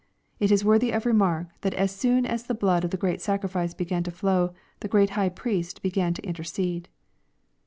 It is worthy of remark that as soon as the blood of the Great Sacrifice began to flow, the Q reat High Priest began to intercede.